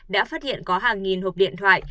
đã phát hiện có hàng nghìn hộp điện thoại